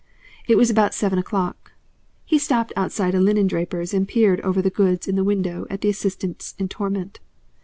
It was about seven o'clock. He stopped outside a linen draper's and peered over the goods in the window at the assistants in torment.